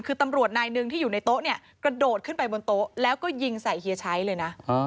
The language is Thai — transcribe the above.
คือตำรวจนายหนึ่งที่อยู่ในโต๊ะเนี่ยกระโดดขึ้นไปบนโต๊ะแล้วก็ยิงใส่เฮียชัยเลยนะ